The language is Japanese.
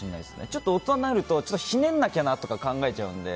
ちょっと大人になるとひねらなきゃとか考えるので。